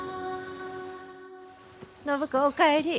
暢子お帰り。